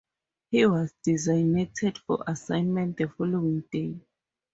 He was designated for assignment the following day.